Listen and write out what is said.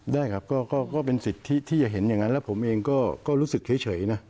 ได้ครับก็เป็นสิทธิที่จะเห็นอย่างนั้นแล้วผมเองก็รู้สึกเฉยนะ